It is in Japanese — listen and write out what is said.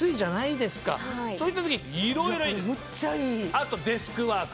あとデスクワーク。